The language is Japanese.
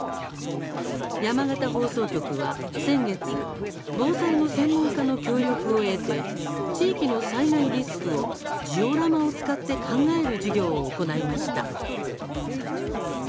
山形放送局は先月、防災の専門家の協力を得て地域の災害リスクをジオラマを使って考える授業を行いました。